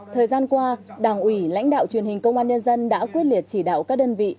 thời gian qua đảng ủy lãnh đạo truyền hình công an nhân dân đã quyết liệt chỉ đạo các đơn vị